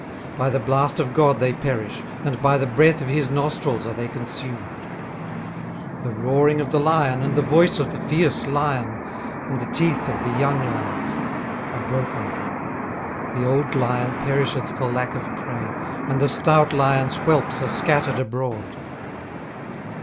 18:004:009 By the blast of God they perish, and by the breath of his nostrils are they consumed. 18:004:010 The roaring of the lion, and the voice of the fierce lion, and the teeth of the young lions, are broken. 18:004:011 The old lion perisheth for lack of prey, and the stout lion's whelps are scattered abroad.